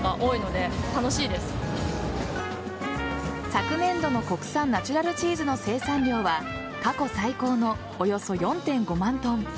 昨年度の国産ナチュラルチーズの生産量は過去最高のおよそ４．５万ｔ。